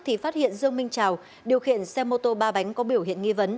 thì phát hiện dương minh trào điều khiển xe mô tô ba bánh có biểu hiện nghi vấn